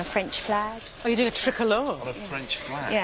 はい。